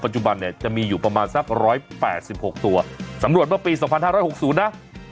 ปัจจุบันจะมีอยู่ประมาณสัก๑๘๖ตัวสำรวจเป็นปี๒๕๖๐นะ